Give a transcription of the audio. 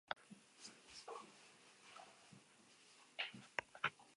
Es vital reconocer que el Israel de hoy en día es un país mixto.